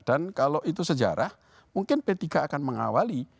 dan kalau itu sejarah mungkin p tiga akan mengawali